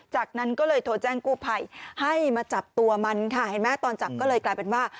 จากนั้นก็เลยโทรแจ้งกู้ภัยให้มาจับตัวมันค่ะเห็นไหมตอนจับก็เลยกลายเป็นว่า